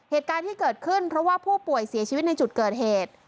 เหตุการณ์ที่เกิดขึ้นเพราะว่าผู้ป่วยเสียชีวิตในจุดเกิดเหตุ